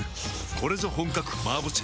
これぞ本格麻婆茄子！